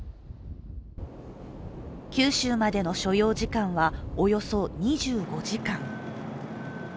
九州までの所要時間はおよそ２５時間。